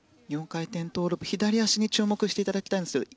４回転トウループ左足に注目していただきたいんです。